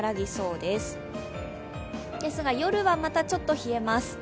ですが、夜はちょっと冷えます。